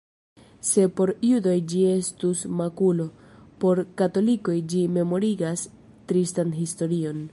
Se por judoj ĝi estus makulo, por katolikoj ĝi memorigas tristan historion.